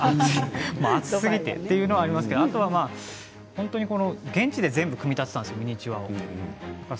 暑すぎてというのはありますけどあとは現地で全部組み立てたんですミニチュアを。